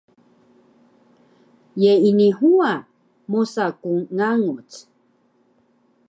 ye ini huwa mosa ku nganguc?